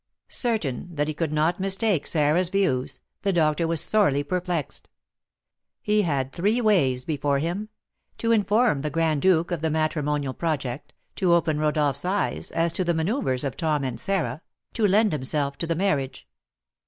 Certain that he could not mistake Sarah's views, the doctor was sorely perplexed. He had three ways before him, to inform the Grand Duke of the matrimonial project, to open Rodolph's eyes as to the manoeuvres of Tom and Sarah, to lend himself to the marriage.